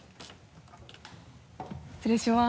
失礼します。